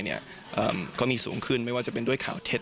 ก็มีสูงขึ้นไม่ว่าจะเป็นด้วยข่าวเท็จ